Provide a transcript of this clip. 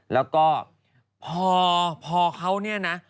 แล้วก็พอเขาเนี่ยนะ